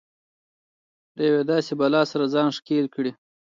له يوې داسې بلا سره ځان ښکېل کړي.